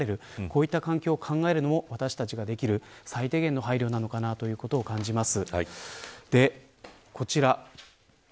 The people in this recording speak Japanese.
こういった環境を考えるのも私たちができる最低限の配慮なのかなと感じます。